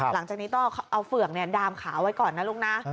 หลังจากนี้ต้องเอาเฝือกดามขาไว้ก่อนนะลูกนะ